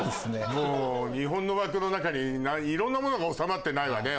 もう日本の枠の中にいろんなものが収まってないわね